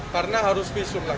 karena harus visum lah